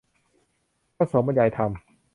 พระสงฆ์บรรยายธรรม